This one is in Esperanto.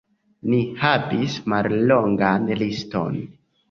Ni havis mallongan liston.